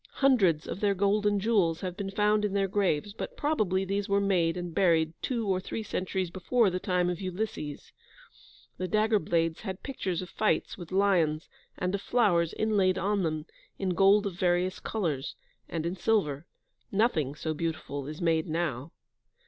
Hundreds of their golden jewels have been found in their graves, but probably these were made and buried two or three centuries before the time of Ulysses. The dagger blades had pictures of fights with lions, and of flowers, inlaid on them, in gold of various colours, and in silver; nothing so beautiful is made now.